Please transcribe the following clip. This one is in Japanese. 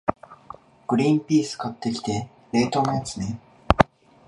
グリンピース買ってきて、冷凍のやつね。